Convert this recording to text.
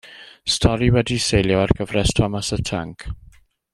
Stori wedi'i seilio ar gyfres Tomos y Tanc.